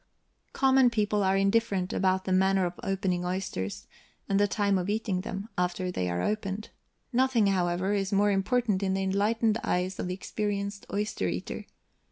Common people are indifferent about the manner of opening oysters, and the time of eating them, after they are opened. Nothing, however, is more important in the enlightened eyes of the experienced oyster eater.